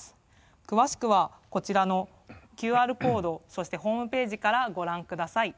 詳しくは、こちらのＱＲコードそしてホームページからご覧ください。